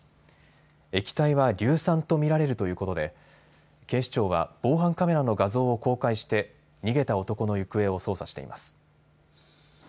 液体は硫酸と見られるということで警視庁は防犯カメラの画像を公開して逃げた男の行方を捜査しています。